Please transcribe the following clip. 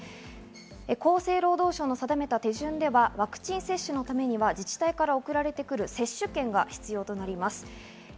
厚生労働省の定めた手順ではワクチン接種のためには自治体から送られてくる接種券が必要です。